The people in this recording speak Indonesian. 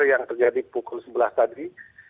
yang terjadi pukul sebelas tadi